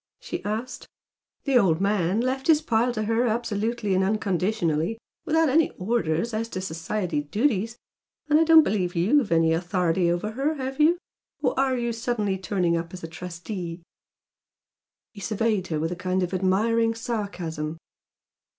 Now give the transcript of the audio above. she asked. "The old man left his pile to her 'absolutely and unconditionally' without any orders as to society duties. And I don't believe YOU'VE any authority over her, have you? Or are you suddenly turning up as a trustee?" He surveyed her with a kind of admiring sarcasm.